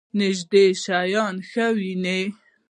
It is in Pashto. نږدې شیان ښه وینئ؟